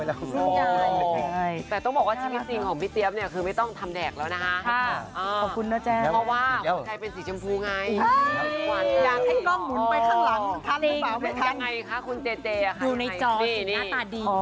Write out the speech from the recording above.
ดูในจอสูงหน้าตาดีนะ